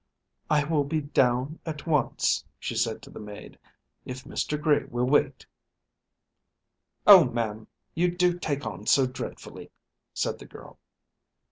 "I will be down at once," she said to the maid, "if Mr. Gray will wait." "Oh, ma'am, you do take on so dreadfully!" said the girl.